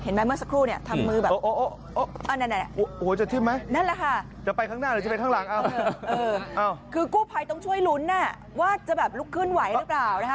ลุกขึ้นไหวหรือเปล่านะคะ